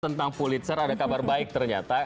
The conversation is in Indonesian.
tentang pulitzer ada kabar baik ternyata